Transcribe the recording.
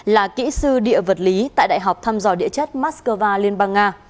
là kỹ sư địa vật lý tại đại học thăm dò địa chất moscow liên bang nga